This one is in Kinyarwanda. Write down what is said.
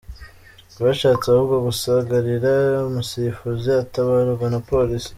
Bashatse ahubwo gusagarira umusifuzi atabarwa na Polisi.